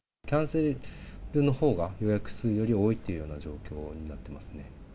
キャンセルのほうが、予約数より多いというような状況になってますね。